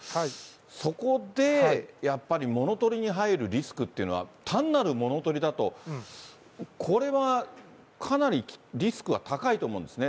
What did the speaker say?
そこでやっぱり物取りに入るリスクっていうのは、単なる物取りだと、これはかなりリスクは高いと思うんですね。